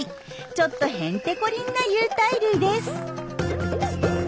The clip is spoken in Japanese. ちょっとへんてこりんな有袋類です。